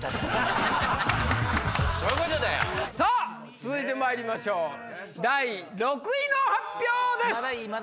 続いてまいりましょう第６位の発表です。